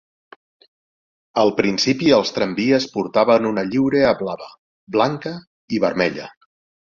Al principi els tramvies portaven una lliurea blava, blanca i vermella.